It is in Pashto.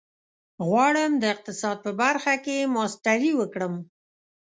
غواړم د اقتصاد په برخه کې ماسټري وکړم.